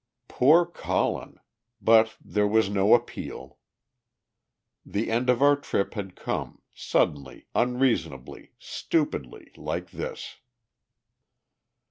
Poor Colin! But there was no appeal. The end of our trip had come, suddenly, unreasonably, stupidly, like this.